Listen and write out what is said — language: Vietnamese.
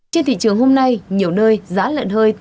trên thị trường hôm nay nhiều nơi giá lợn hơi